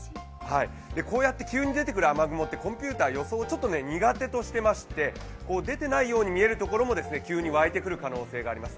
こうやって級に出てくる雨雲ってコンピューター苦手としていまして出ていないように見えるところも急に湧いてくるところもあります。